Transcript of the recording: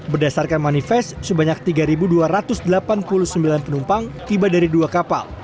berdasarkan manifest sebanyak tiga dua ratus delapan puluh sembilan penumpang tiba dari dua kapal